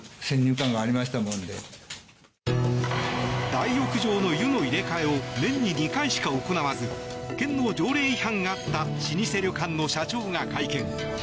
大浴場の湯の入れ替えを年に２回しか行わず県の条例違反があった老舗旅館の社長が会見。